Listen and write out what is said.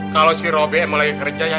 kalau si robi mau lagi kerja